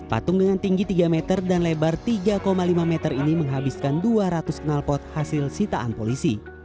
patung dengan tinggi tiga meter dan lebar tiga lima meter ini menghabiskan dua ratus kenalpot hasil sitaan polisi